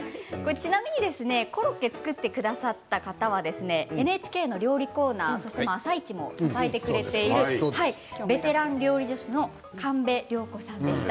ちなみにコロッケを作ってくださった方はＮＨＫの料理コーナー、そして「あさイチ」も支えてくれているベテラン料理助手の神戸良子さんでした。